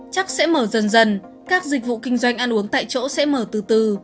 chắc sẽ mở dần dần các dịch vụ kinh doanh ăn uống tại chỗ sẽ mở từ từ